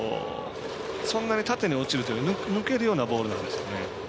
そんなに縦に落ちるより抜けるようなボールになりますね。